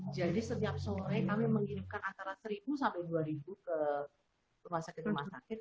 jadi setiap sore kami mengirimkan antara rp satu rp dua ke rumah sakit rumah sakit